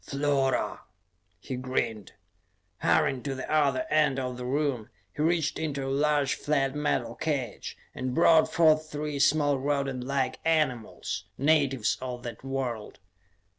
"Flora," he grinned. Hurrying to the other end of the room, he reached into a large flat metal cage and brought forth three small rodent like animals, natives of that world.